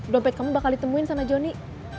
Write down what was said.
dompet kamu bakal ditemuin sama johnny